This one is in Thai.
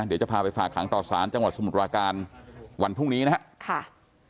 เดี๋ยวจะพาไปฝากหางต่อสารจังหวัดสมุทรปราการวันพรุ่งนี้นะครับ